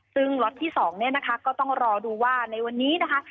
ซึ่งล็อตที่๒เนี่ยนะคะก็ต้องรอดูว่าในวันนี้นะคะ